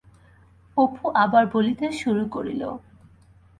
অপু আবার বলিতে শুরু করিল।